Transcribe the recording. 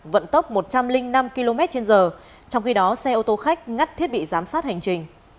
vận tốc một trăm linh năm km trên giờ trong khi đó xe ô tô khách ngắt thiết bị giám sát hành trình